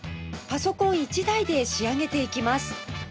パソコン１台で仕上げていきます